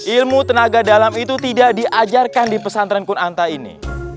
ilmu tenaga dalam itu tidak diajarkan di pesantren kur anta ini